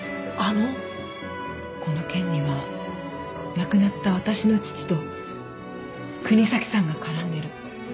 この件には亡くなった私の父と國東さんが絡んでる。